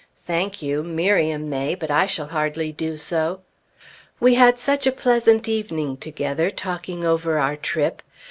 Thank you! Miriam may, but I shall hardly do so! We had such a pleasant evening together, talking over our trip.